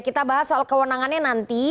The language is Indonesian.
kita bahas soal kewenangannya nanti